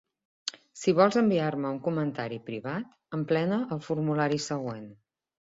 Si vols enviar-me un comentari privat, emplena el formulari següent.